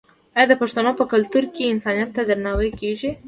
آیا د پښتنو په کلتور کې انسانیت ته درناوی نه کیږي؟